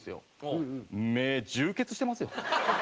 目充血してますよ。